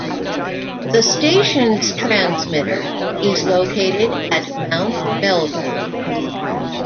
The station's transmitter is located at Mount Bellevue.